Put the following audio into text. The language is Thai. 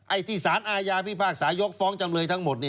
ที่สารอาญาพิพากษายกฟ้องจำเลยทั้งหมด